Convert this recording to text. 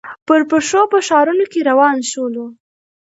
پر پښو په ښارنو کې روان شولو.